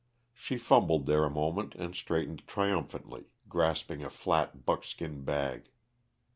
She fumbled there a moment and straightened triumphantly, grasping a flat, buckskin bag.